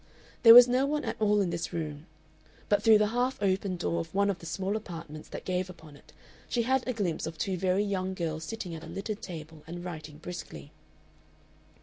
There was no one at all in this room, but through the half open door of one of the small apartments that gave upon it she had a glimpse of two very young girls sitting at a littered table and writing briskly.